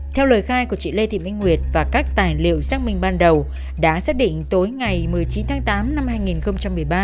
theo lời khai của chị lê thị minh nguyệt và các tài liệu xác minh ban đầu đã xác định tối ngày một mươi chín tháng tám năm hai nghìn một mươi ba